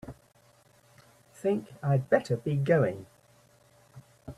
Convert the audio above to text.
Think I'd better be going.